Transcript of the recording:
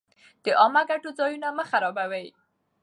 د عامه ګټو ځایونه مه خرابوئ.